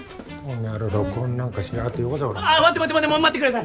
にゃろ録音なんかしやがってよこせほら待って待って待ってください